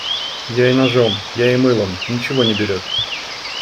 Я и ножом, я и мылом - ничего не берет.